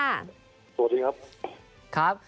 สวัสดีครับ